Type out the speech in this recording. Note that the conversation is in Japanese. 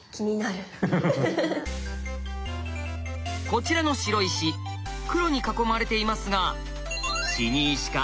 こちらの白石黒に囲まれていますが分かりますか？